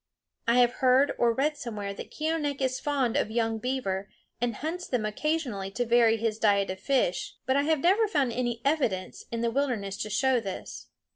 I have heard or read somewhere that Keeonekh is fond of young beaver and hunts them occasionally to vary his diet of fish; but I have never found any evidence in the wilderness to show this.